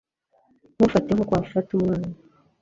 ntumfate nkuko wafata umwana